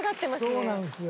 そうなんですよ。